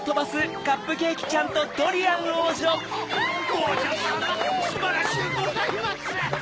おうじょさますばらしゅうございます！